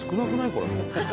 これ。